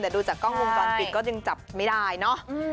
แต่ดูจากกล้องวงจรปิดก็ยังจับไม่ได้เนอะ